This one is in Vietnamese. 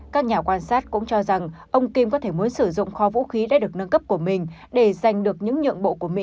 các nhà quan sát cũng cho rằng ông kim có thể muốn sử dụng kho vũ khí đã được nâng cấp của mình để giành được những nhượng bộ của mỹ